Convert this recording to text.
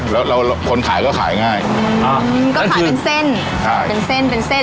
แล้วเราคนขายก็ขายง่ายอ่าก็ขายเป็นเส้นใช่เป็นเส้นเป็นเส้น